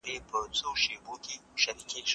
ایا موږ د منځنۍ لاري پلویانو ته اړتیا لرو؟